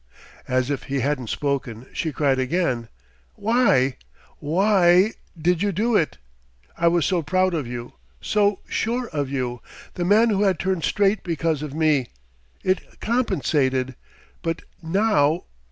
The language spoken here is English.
As if he hadn't spoken, she cried again: "Why why did you do it? I was so proud of you, so sure of you, the man who had turned straight because of me!... It compensated... But now...!"